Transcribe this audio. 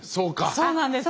そうなんですよ。